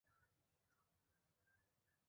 胶海关是中国第一处租借地海关。